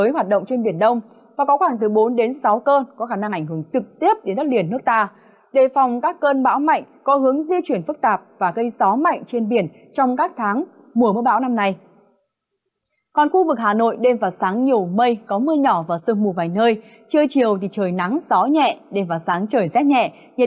hãy đăng ký kênh để ủng hộ kênh của chúng mình nhé